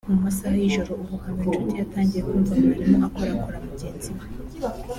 mu masaha y’ijoro uyu Habinshuti yatangiye kumva mwarimu akorakora mugenzi we